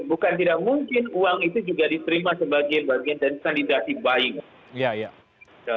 bukan tidak mungkin uang itu juga diterima sebagai bagian dari kandidasi buying